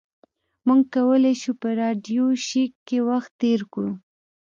موږ کولی شو په راډیو شیک کې وخت تیر کړو